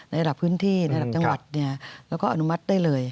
ระดับพื้นที่ในระดับจังหวัดแล้วก็อนุมัติได้เลย